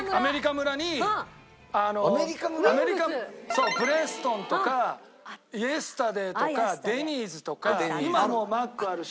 そうプレストンとかイエスタデイとかデニーズとか今はもうマックあるし。